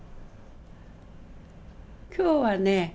今日はね